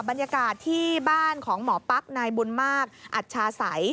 บรรยากาศที่บ้านของหมอปั๊กนายบุญมากอัชชาสัย